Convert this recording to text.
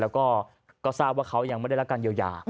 แล้วก็ทราบว่าเขายังไม่ได้รับการเยียวยา